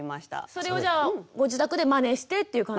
それをじゃあご自宅でマネしてっていう感じ？